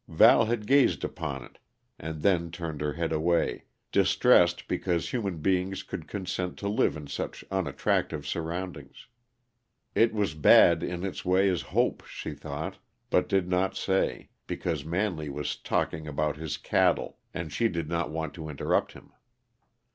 Val had gazed upon it, and then turned her head away, distressed because human beings could consent to live in such unattractive surroundings. It was bad in its way as Hope, she thought, but did not say, because Manley was talking about his cattle, and she did not want to interrupt him.